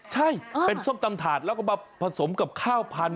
ใช่เป็นส้มตำถาดแล้วก็มาผสมกับข้าวพันธ